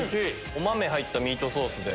お豆入ったミートソース。